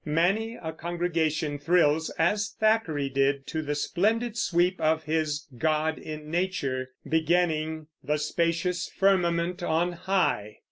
Many a congregation thrills, as Thackeray did, to the splendid sweep of his "God in Nature," beginning, "The spacious firmament on high."